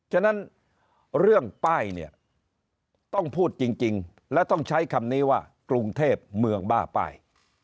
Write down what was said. ฉะนั้นเรื่องป้ายเนี่ยต้องพูดจริงและต้องใช้คำนี้ว่ากรุงเทพเมืองบ้าป้าย